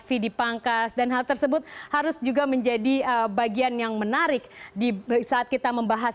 fee dipangkas dan hal tersebut harus juga menjadi bagian yang menarik saat kita membahas mengenai persaingan ataupun semakin serius